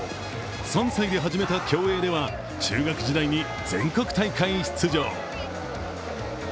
３歳で始めた競泳では、中学時代に全国大会出場。